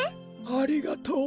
ありがとう。